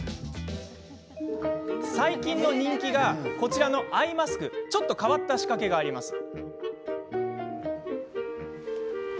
最近の人気がこちらのアイマスクちょっと変わった仕掛けがあります。